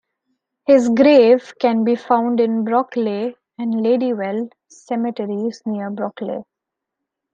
His grave can be found in Brockley and Ladywell Cemeteries near Brockley.